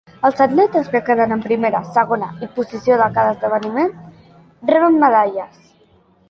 Els atletes que queden en primera, segona i posició de cada esdeveniment reben medalles.